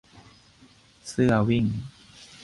เสื้อวิ่ง